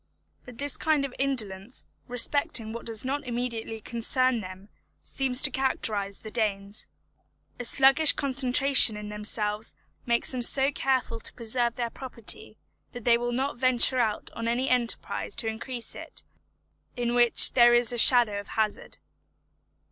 But this kind of indolence respecting what does not immediately concern them seems to characterise the Danes. A sluggish concentration in themselves makes them so careful to preserve their property, that they will not venture on any enterprise to increase it in which there is a shadow of hazard.